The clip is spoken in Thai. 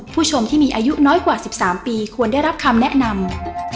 ผู้ชมที่มีอายุน้อยกว่า๑๓ปีควรได้รับคำแนะนำ